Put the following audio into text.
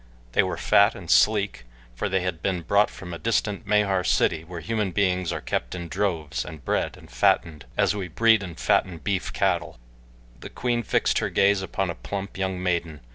They were fat and sleek, for they had been brought from a distant Mahar city where human beings are kept in droves, and bred and fattened, as we breed and fatten beef cattle. The queen fixed her gaze upon a plump young maiden.